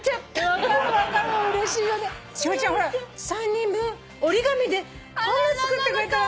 栞ちゃん３人分折り紙でこんなの作ってくれたの。